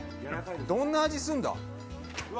どんな味すんだ？